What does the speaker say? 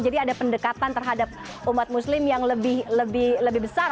jadi ada pendekatan terhadap umat muslim yang lebih berkembang